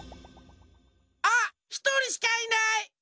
あっひとりしかいない！